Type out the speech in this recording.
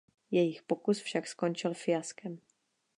Jejich pokus však skončil fiaskem.